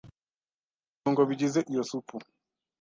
n’ibirungo bigize iyo supu